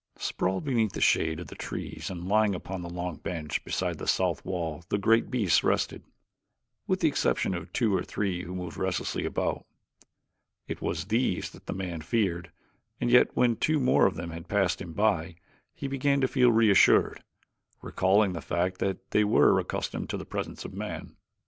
Sprawled beneath the shade of the trees and lying upon the long bench beside the south wall the great beasts rested, with the exception of two or three who moved restlessly about. It was these that the man feared and yet when two more of them had passed him by he began to feel reassured, recalling the fact that they were accustomed to the presence of man.